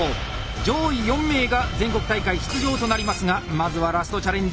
上位４名が全国大会出場となりますがまずはラストチャレンジ